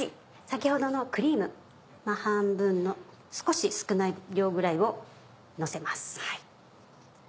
先ほどのクリーム半分の少し少ない量ぐらいをのせます。